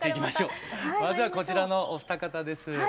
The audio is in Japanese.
まずはこちらのお二方です。